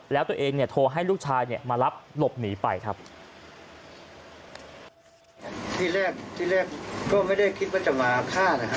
แล้วตัวเองเนี่ยโทรให้ลูกชายเนี่ยมารับหลบหนีไปครับ